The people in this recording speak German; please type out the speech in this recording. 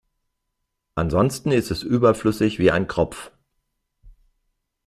Ansonsten ist es überflüssig wie ein Kropf.